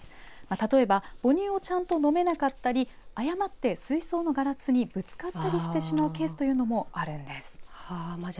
例えば母乳をちゃんと飲めなかったり誤って水槽のガラスにぶつかったりしてしまうケースというのもあるんです。